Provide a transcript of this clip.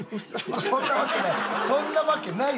そんなわけない！